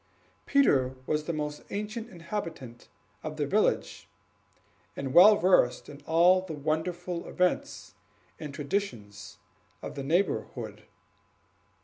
Peter was the most ancient inhabitant of the village, and well versed in all the wonderful events and traditions of the neighborhood.